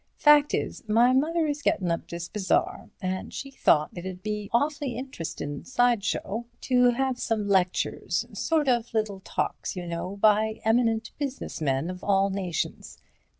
Fact is, my mother is gettin' up this bazaar, and she thought it'd be all awfully interestin' side show to have some lectures—sort of little talks, y'know—by eminent business men of all nations.